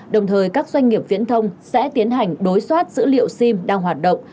đồng thời các doanh nghiệp viễn thông sẽ tiến hành đối soát dữ liệu sim đang hoạt động